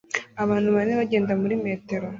Abantu bane bagenda muri metero